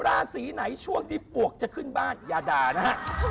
ราศีไหนช่วงที่ปวกจะขึ้นบ้านอย่าด่านะฮะ